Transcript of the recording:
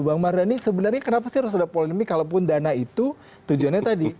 bang mardhani sebenarnya kenapa sih harus ada polemik kalaupun dana itu tujuannya tadi